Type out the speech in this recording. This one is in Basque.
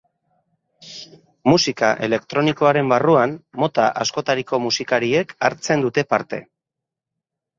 Musika elektronikoaren barruan mota askotariko musikariek hartzen dute parte.